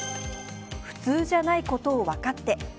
普通じゃないことを分かって。